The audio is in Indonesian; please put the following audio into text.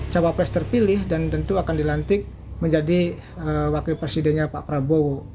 cawapres terpilih dan tentu akan dilantik menjadi wakil presidennya pak prabowo